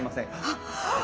あっ！